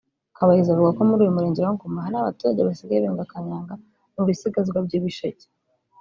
Kabayiza avuga ko muri uyu murenge wa Ngoma hari abaturage basigaye benga kanyanga mu bisigazwa by’ibisheke